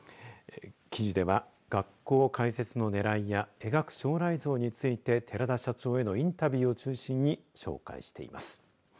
記事では学校開設のねらいや描く将来像について寺田社長へのインタビューを中心に紹介しています。